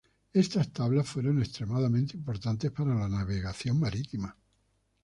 Estas tablas fueron extremadamente importantes para la navegación marítima.